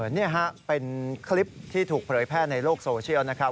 นี่ฮะเป็นคลิปที่ถูกเผยแพร่ในโลกโซเชียลนะครับ